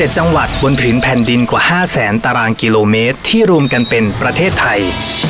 ๗จังหวัดบนผืนแผ่นดินกว่า๕แสนตารางกิโลเมตรที่รวมกันเป็นประเทศไทย